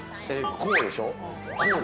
こうでしょ？